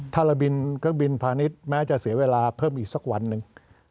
ถ้าระบินเครื่องบินพาณิชย์แม้จะเสียเวลาเพิ่มอีกสักวันหนึ่ง